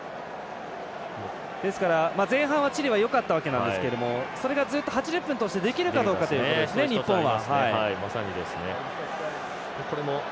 ですから、前半はチリはよかったわけなんですけどそれが、ずっと８０分通してできるかどうかですね、日本は。